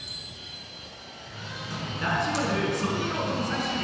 男子ゴルフ、ソニーオープン最終日。